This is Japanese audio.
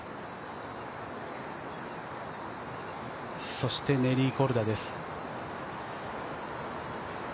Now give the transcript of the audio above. そしてネリー・コルダです。